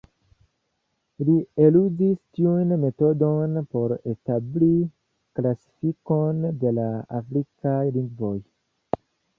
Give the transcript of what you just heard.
Li eluzis tiun metodon por establi klasifikon de la afrikaj lingvoj.